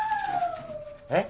えっ？